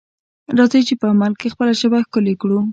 راځئ چې په عمل کې خپله ژبه ښکلې کړو.